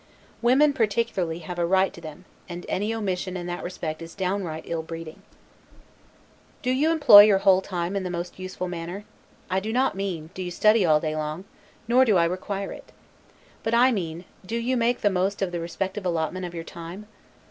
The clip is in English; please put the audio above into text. Women, particularly, have a right to them; and any omission in that respect is downright ill breeding. Do you employ your whole time in the most useful manner? I do not mean, do you study all day long? nor do I require it. But I mean, do you make the most of the respective allotments of your time?